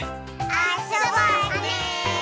あそぼうね！